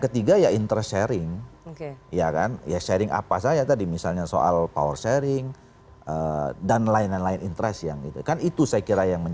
ketiga intrasering sharing apa saya tadi misalnya soal bloom nac hai dan lainnya datang kank itu being